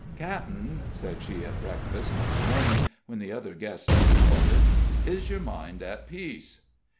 "Cap'en," said she, at breakfast, next morning, when the other guests had departed, "is your mind at peace?"